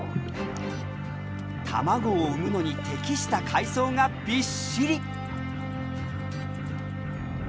卵を産むのに適した海藻がびっしり。